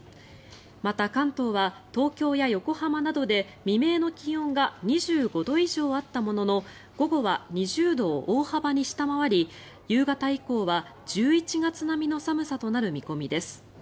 また、関東は東京や横浜などで未明の気温が２５度以上あったものの午後は２０度を大幅に下回り夕方以降は１１月並みの寒さとなる見込みです。